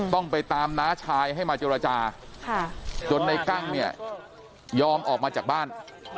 ต้องไปตามน้าชายให้มาเจรจาจนในกั้งเนี่ยยอมออกมาจากบ้าน